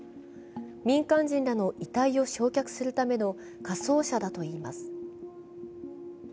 民間人らの遺体を焼却するための火葬車だといいます。